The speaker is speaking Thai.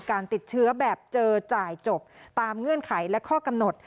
การติดเชื้อแบบเจอจ่ายจบตามเงื่อนไขและข้อกำหนด